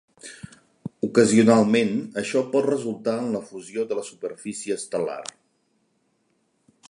Ocasionalment, això pot resultar en la fusió de la superfície estel·lar.